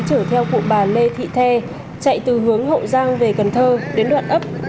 chở theo cụ bà lê thị the chạy từ hướng hậu giang về cần thơ đến đoạn ấp